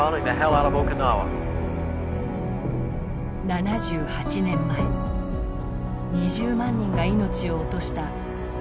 ７８年前２０万人が命を落とした沖縄戦。